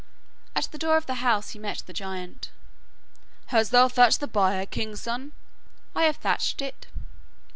At the door of the house he met the giant. 'Hast thou thatched the byre, king's son?' 'I have thatched it.